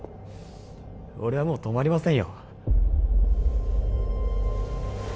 俺はもう止まりませんよ